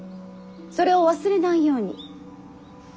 それを忘れないように。